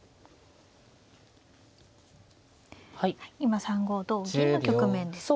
今３五同銀の局面ですね。